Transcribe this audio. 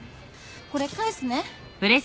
これ返すね。